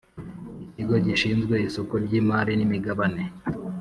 Ikigo gishinzwe isoko ry imari n imigabane